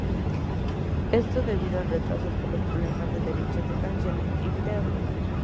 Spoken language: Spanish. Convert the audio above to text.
Esto debido a retrasos por problemas de derechos de canciones y vídeo.